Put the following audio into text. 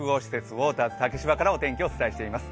ウォーターズ竹芝からお天気をお伝えしています。